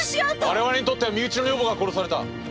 我々にとっては身内の女房が殺された！